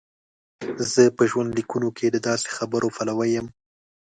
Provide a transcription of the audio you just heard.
زه په ژوندلیکونو کې د داسې خبرو پلوی یم.